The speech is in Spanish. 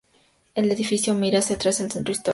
El edificio mira hacia el centro histórico de Sevilla.